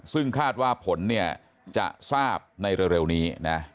ซึ่งคาดว่าผลเนี่ยจะทราบในเร็วนี้นะ